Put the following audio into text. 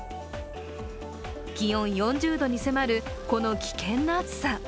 気温４０度に迫る、この危険な暑さ。